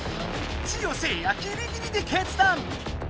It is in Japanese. ジオせいやギリギリで決断！